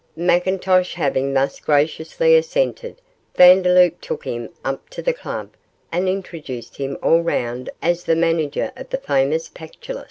McIntosh having thus graciously assented, Vandeloup took him up to the Club, and introduced him all round as the manager of the famous Pactolus.